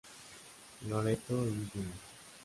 Loreto y Jr.